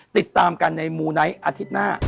ติดตามกันในมูไนท์อาทิตย์หน้า